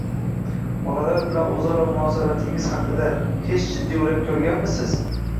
Bolalar bilan o‘zaro munosabatingiz haqida hech jiddiy o‘ylab ko‘rganmisiz?